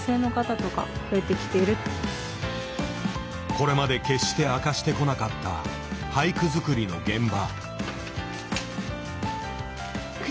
これまで決して明かしてこなかった俳句作りの現場。